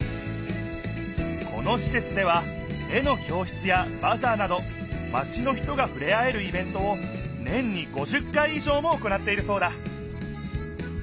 このしせつでは絵の教室やバザーなどマチの人がふれあえるイベントを年に５０回いじょうも行っているそうだ